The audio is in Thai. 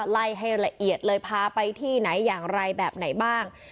ไล่ให้ละเอียดเลยพาไปที่ไหนอย่างไรแบบไหนบ้าง